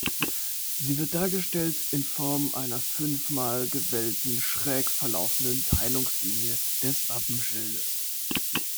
Sie wird dargestellt in Form einer fünfmal gewellten, schräg verlaufenden „Teilungslinie des Wappenschildes“.